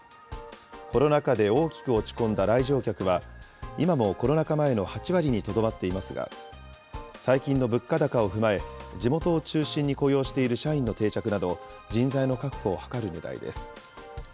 コロナ禍で大きく落ち込んだ来場客は、今もコロナ禍前の８割にとどまっていますが、最近の物価高を踏まえ、地元を中心に雇用している社員の定着など、人材の確保を図るねら